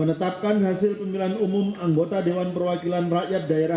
menetapkan dari kpp daerah pemilihan anas na zipung kemenangan anggota dewan perwakilan rakyat